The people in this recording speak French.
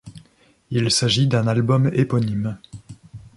Il s'agit d'un album éponyme.